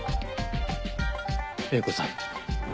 英子さん。